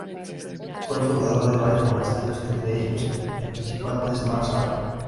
Fue el fundador de varios monasterios, entre ellos el principal es Mar Saba.